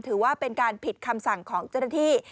ถือว่าเป็นการผิดคำสั่งของเจ้าหน้าที่